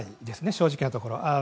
正直なところ。